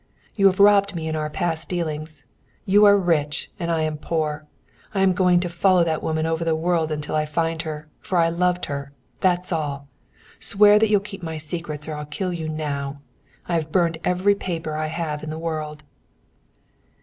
You have robbed me in our past dealings. You are rich and I am poor. I am going to follow that woman over the world till I find her, for I loved her. That's all! Swear that you'll keep my secrets or I'll kill you now. I've burned every paper I have in the world."